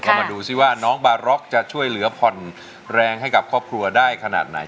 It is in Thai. ก็มาดูซิว่าน้องบาร็อกจะช่วยเหลือผ่อนแรงให้กับครอบครัวได้ขนาดไหน